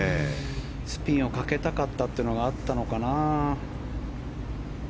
スピンをかけたかったというのがあったのかな。